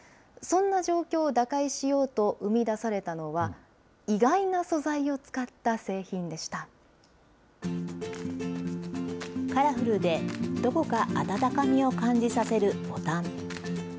そんな状況を打開しようと生み出されたのは、意外な素材を使ったカラフルで、どこか温かみの感じさせるボタン。